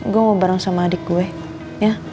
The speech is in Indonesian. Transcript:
gue mau bareng sama adik gue ya